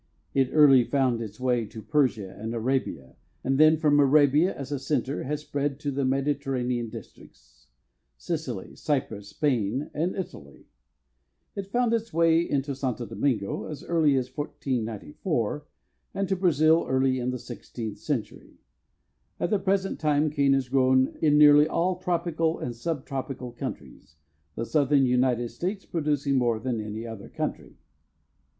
It early found its way to Persia and Arabia, and then from Arabia as a center has spread to the Mediterranean districts, Sicily, Cyprus, Spain and Italy. It found its way to Santo Domingo as early as 1494 and to Brazil early in the sixteenth century. At the present time cane is grown in nearly all tropical and sub tropical countries, the Southern United States producing more than any other country.